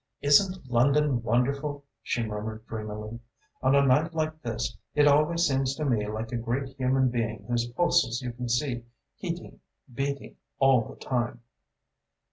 "Isn't London wonderful!" she murmured dreamily. "On a night like this it always seems to me like a great human being whose pulses you can see heating, beating all the time."